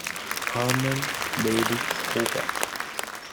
Harman Baillie Hopper.